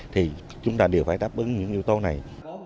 thì chúng ta đều phải đáp ứng những yếu tố này